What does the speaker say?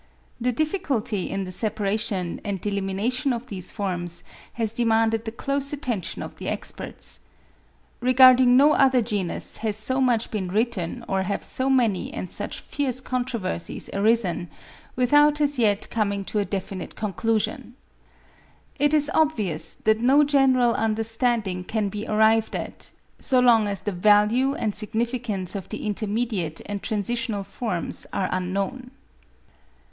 The difficulty in the separation and delimitation of these forms has demanded the close attention of the experts. Regarding no other genus has so much been written or have so many and such fierce controversies arisen, without as yet coming to a definite conclusion. It is obvious that no general under standing can be arrived at, so long as the value and significance of the intermediate and transitional forms are unknown.